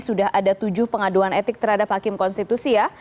sudah ada tujuh pengaduan etik terhadap hakim konstitusi ya